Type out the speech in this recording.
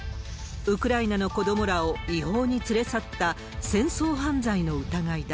ウクライナの子どもらを違法に連れ去った戦争犯罪の疑いだ。